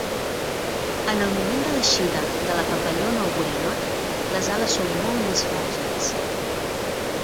En el moment de l'eixida de la papallona o borinot, les ales són molt fràgils.